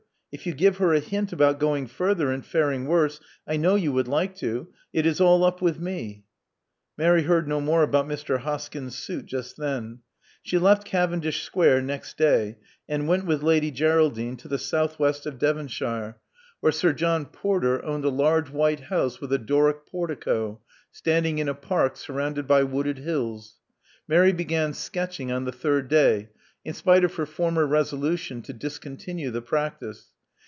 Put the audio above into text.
If you give her a hint about going further and faring worse — I know you would like to — it is all up with me. " Mary heard no more about Mr. Hoskyn's suit just then. She left Cavendish Square next day, and went with Lady Geraldine to the south west of Devonshire, 292 Love Among the Artists where Sir John Porter owned a large white house with a Doric portico, standing in a park surrounded by wooded hills. Mary began sketching on the third day, in spite of her former resolution to discontinue the practice.